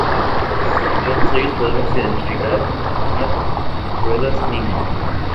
En todos ellos podemos identificar al Arguedas-niño.